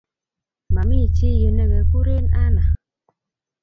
Ma mi chi yu nekegurei Anna.